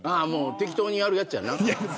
適当にやるやつやな。